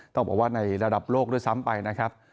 ต้องบอกว่าในระดับโลกด้วยซ้ำไปนะครับ